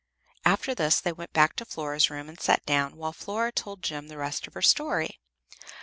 After this they went back to Flora's room and sat down, while Flora told Jem the rest of her story.